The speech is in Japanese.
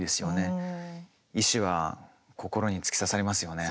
意志は心に突き刺さりますよね。